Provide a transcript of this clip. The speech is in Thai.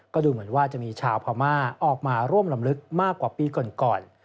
ก็ดูเหมือนว่าจะมีชาวพม่าออกมาร่วมลำลึกมากกว่าปีก่อน